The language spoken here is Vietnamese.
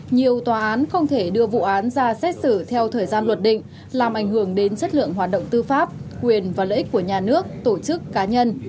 nhiều tòa án không thể đưa vụ án ra xét xử theo thời gian luật định làm ảnh hưởng đến chất lượng hoạt động tư pháp quyền và lợi ích của nhà nước tổ chức cá nhân